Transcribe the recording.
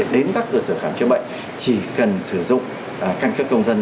đến các cơ sở khám chữa bệnh chỉ cần sử dụng căn cước công dân